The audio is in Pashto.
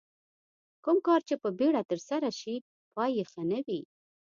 کوم کار چې په بیړه ترسره شي پای یې ښه نه وي.